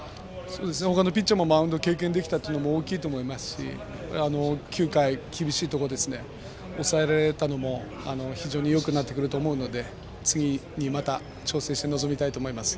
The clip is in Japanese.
他のピッチャーもマウンドを経験できたのは大きいと思いますし９回、厳しいところで抑えられたのも非常によくなってくると思うので次にまた、調整して臨みたいと思います。